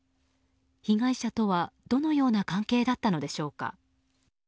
被害者とは、どのような関係だったのでしょうか。